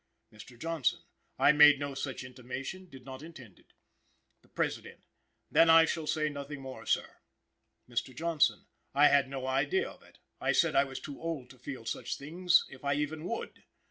"Mr. Johnson. I made no such intimation; did not intend it. "The President. Then I shall say nothing more, sir. "Mr. Johnson. I had no idea of it. I said I was too old to feel such things, if I even would.